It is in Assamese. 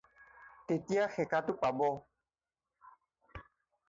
তেতিয়া সেকাটো পাব